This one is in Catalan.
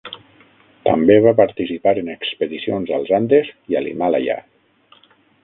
També va participar en expedicions als Andes i a l'Himàlaia.